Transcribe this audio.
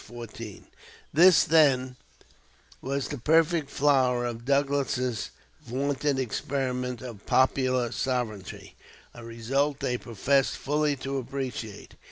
14.] This, then, was the perfect flower of Douglas's vaunted experiment of "popular sovereignty" a result they professed fully to appreciate.